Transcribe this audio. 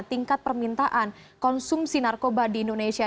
tingkat permintaan konsumsi narkoba di indonesia